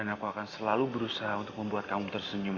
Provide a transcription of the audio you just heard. dan aku akan selalu berusaha untuk membuat kamu tersenyum naura